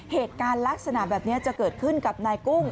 เหตุการณ์ลักษณะแบบนี้จะเกิดขึ้นกับนายกุ้ง